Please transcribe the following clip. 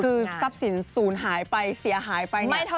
คือทรัพย์ศีลศูนย์หายไปเสียหายไป